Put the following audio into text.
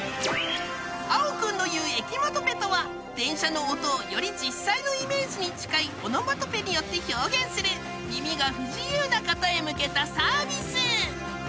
碧くんの言うエキマトペとは電車の音をより実際のイメージに近いオノマトペによって表現する耳が不自由な方へ向けたサービス